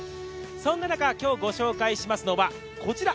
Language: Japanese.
そんな中、今日御紹介しますのはこちら。